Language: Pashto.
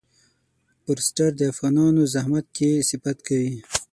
فورسټر د افغانانو زحمت کښی صفت کوي.